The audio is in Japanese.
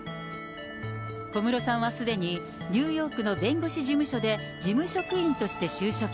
小室さんはすでにニューヨークの弁護士事務所で、事務職員として就職。